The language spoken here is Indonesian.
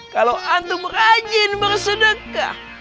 kalau antum rajin bersedekah